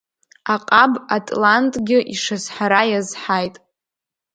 Аҟаб Атлантгьы ишазҳара иазҳаит.